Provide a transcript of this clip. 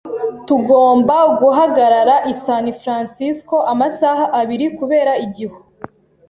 Tugomba guhagarara i San Francisco amasaha abiri kubera igihu.